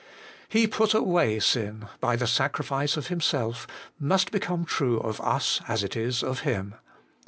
' He put away sin by the sacrifice of Himself,' must become true of us as it is of Him.